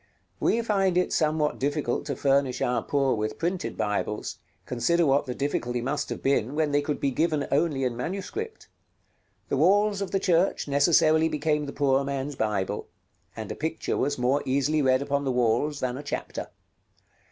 We find it somewhat difficult to furnish our poor with printed Bibles; consider what the difficulty must have been when they could be given only in manuscript. The walls of the church necessarily became the poor man's Bible, and a picture was more easily read upon the walls than a chapter.